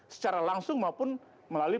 secara langsung maupun melalui